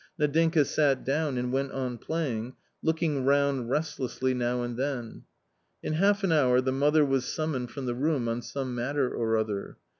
Nadinka sat down and went on playing, looking round restlessly now and then. In half an hour the mother was summoned from the room on some matter or other.